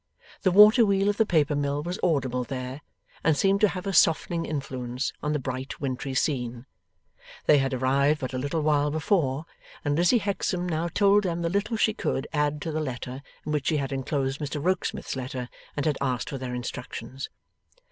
The water wheel of the paper mill was audible there, and seemed to have a softening influence on the bright wintry scene. They had arrived but a little while before, and Lizzie Hexam now told them the little she could add to the letter in which she had enclosed Mr Rokesmith's letter and had asked for their instructions.